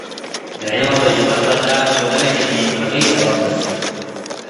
د علم او تجربه تبادله په ټولنه کي د نیکمرغۍ سبب ګرځي.